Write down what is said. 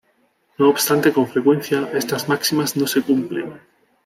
No obstante, con frecuencia estas máximas no se cumplen.